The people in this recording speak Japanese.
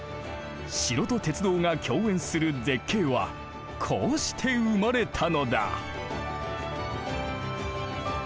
城と鉄道が共演する絶景はこうして生まれたのだ。